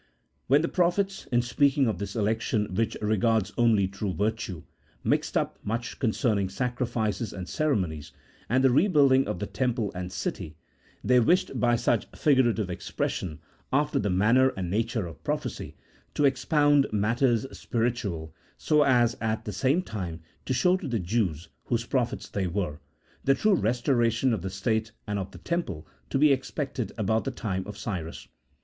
When the prophets, in speaking of this election which re gards only true virtue, mixed up much concerning sacri fices and ceremonies, and the rebuilding of the temple and city, they wished by such figurative expressions, after the manner and nature of prophecy, to expound matters spiri tual, so as at the same time to show to the Jews, whose prophets they were, the true restoration of the state and of the temple to be expected about the time of Cyrus.